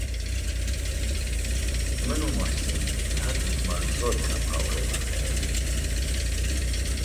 من و موحسین هەردووکمان زۆر کەم هاوڕێمان هەیە.